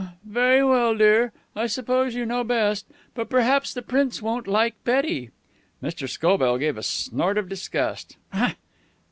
"Very well, dear. I suppose you know best. But perhaps the Prince won't like Betty." Mr. Scobell gave a snort of disgust.